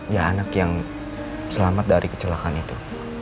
ya anak yang selamat dari kecelakaan itu